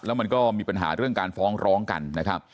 แล้วมันก็มีปัญหาเรื่องการฟ้องร้องกันนะครับ